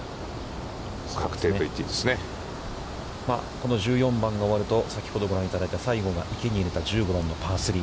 この１４番が終わると、先ほどご覧いただいた西郷が池に入れた１５番のパー３。